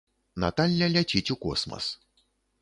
Наталля ляціць у космас.